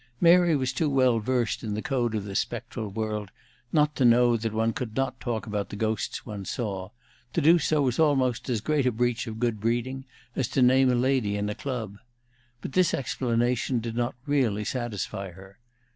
Mary was too well versed in the code of the spectral world not to know that one could not talk about the ghosts one saw: to do so was almost as great a breach of good breeding as to name a lady in a club. But this explanation did not really satisfy her.